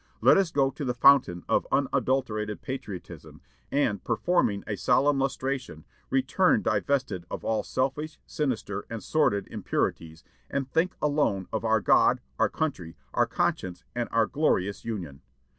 Let us go to the fountain of unadulterated patriotism, and, performing a solemn lustration, return divested of all selfish, sinister, and sordid impurities, and think alone of our God, our country, our conscience, and our glorious Union....